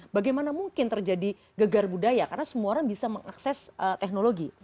bagaimana mungkin terjadi gegar budaya karena semua orang bisa mengakses teknologi